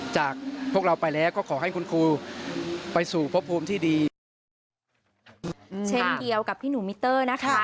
เช่นเดียวกับที่หนูมิเตอร์นะคะ